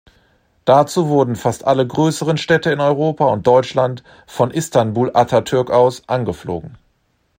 Dazu wurden fast alle größeren Städte in Europa und Deutschland von Istanbul-Atatürk aus angeflogen.